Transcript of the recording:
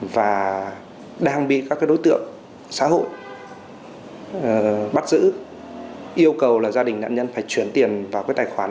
và đang bị các đối tượng xã hội bắt giữ yêu cầu là gia đình nạn nhân phải chuyển tiền vào cái tài khoản